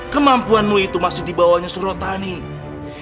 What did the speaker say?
kemampuanmu itu masih di bawahnya surutannya